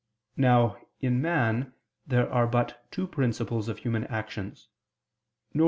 Now, in man there are but two principles of human actions, viz.